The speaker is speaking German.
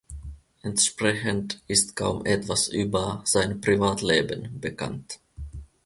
Entsprechend ist kaum etwas über sein Privatleben bekannt.